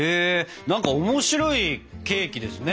なんか面白いケーキですね。